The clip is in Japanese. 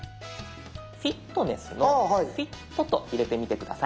フィットネスの「フィット」と入れてみて下さい。